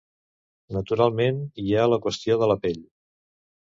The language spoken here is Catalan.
Naturalment, hi ha la qüestió de la pell.